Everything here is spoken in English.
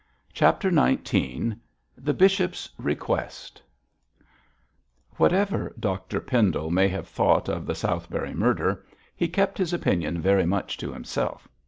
CHAPTER XIX THE BISHOP'S REQUEST Whatever Dr Pendle may have thought of the Southberry murder, he kept his opinion very much to himself.